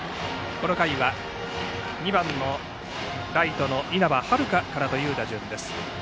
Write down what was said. この回は２番のライトの稲葉玄からの打順です。